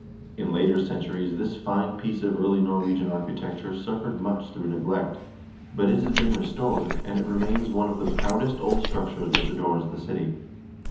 In later centuries this fine piece of early Norwegian architecture suffered much through neglect, but it has been restored, and it remains one of the proudest old structures which adorns the city.